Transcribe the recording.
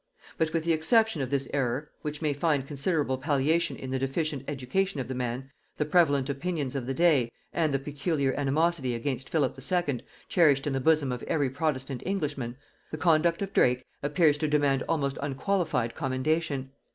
But with the exception of this error, which may find considerable palliation in the deficient education of the man, the prevalent opinions of the day, and the peculiar animosity against Philip II. cherished in the bosom of every protestant Englishman, the conduct of Drake appears to demand almost unqualified commendation.